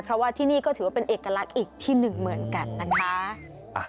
เพราะว่าที่นี่ก็ถือว่าเป็นเอกลักษณ์อีกที่หนึ่งเหมือนกันนะคะ